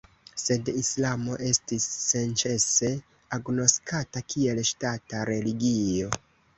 Sed islamo estis senĉese agnoskata kiel ŝtata religio.